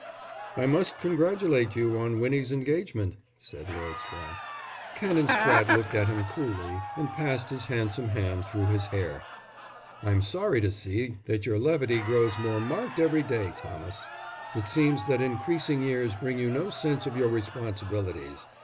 "I must congratulate you on Winnie's engagement," said Lord Spratte. Canon Spratte looked at him coolly and passed his handsome hand through his hair. "I'm sorry to see that your levity grows more marked every day, Thomas. It seems that increasing years bring you no sense of your responsibilities.